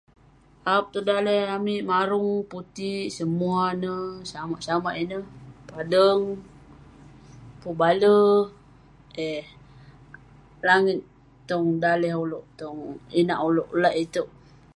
Ap tong daleh amik marung, putik, semua ne samak-samak ineh. Padeng, pun bale...eh langit tong daleh uleuk tong inak uleuk lak iteuk.